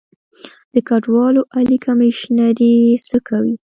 د کډوالو عالي کمیشنري څه کوي؟